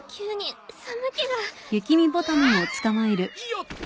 よっと！